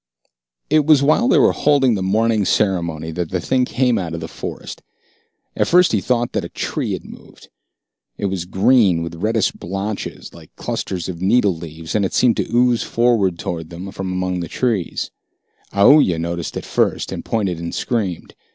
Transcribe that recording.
It was while they were holding the morning ceremony that the thing came out of the forest. At first he thought that a tree had moved. It was green, with reddish blotches like clusters of needle leaves, and it seemed to ooze forward toward them from among the trees. Aoooya noticed it first, and pointed and screamed.